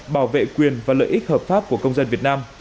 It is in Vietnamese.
bảo vệ quyền và lợi ích hợp pháp của công dân việt nam